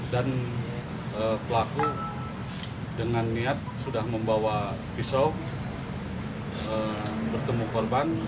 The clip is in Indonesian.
dan pelaku dengan niat sudah membawa pisau bertemu korban